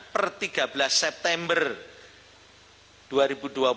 per tiga belas september dua ribu dua puluh pukul dua belas siang dapat kami sampaikan bahwa untuk dki jakarta